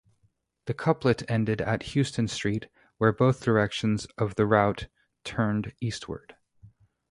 The couplet ended at Houston Street, where both directions of the route turned eastward.